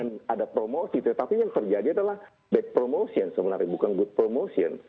dan ada promosi tapi yang terjadi adalah bad promotion sebenarnya bukan good promotion